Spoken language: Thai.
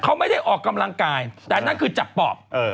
เขาไม่ได้ออกกำลังกายแต่นั่นคือจับปอบ